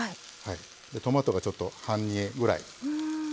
でトマトがちょっと半煮えぐらい。